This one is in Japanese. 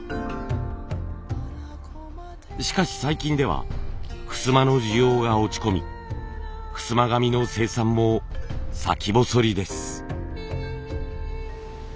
しかし最近ではふすまの需要が落ち込みふすま紙の生産も先細りです。